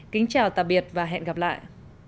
kính chào tạm biệt và hẹn gặp lại